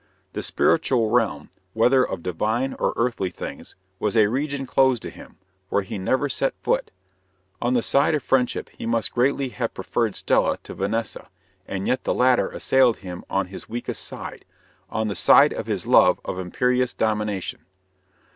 The spiritual realm, whether of divine or earthly things, was a region closed to him, where he never set foot." On the side of friendship he must greatly have preferred Stella to Vanessa, and yet the latter assailed him on his weakest side on the side of his love of imperious domination.